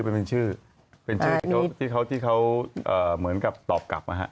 เพราะที่เขาเหมือนกับตอบกลับอะฮะ